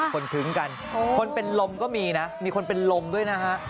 ทึ้งกันคนเป็นลมก็มีนะมีคนเป็นลมด้วยนะฮะ